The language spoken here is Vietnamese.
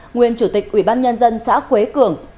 nguyên chủ tịch ủy ban nhân dân xã quế cường